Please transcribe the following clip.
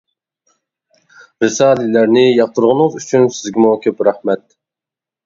رىسالىلەرنى ياقتۇرغىنىڭىز ئۈچۈن سىزگىمۇ كۆپ رەھمەت.